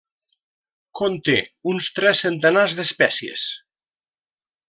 Conté uns tres centenars d'espècies.